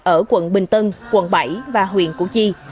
ở quận bình tân quận bảy và huyện củ chi